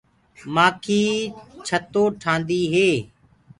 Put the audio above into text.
مآکي ڇتو ٺهآندي هي۔